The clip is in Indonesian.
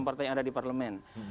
partai yang ada di parlemen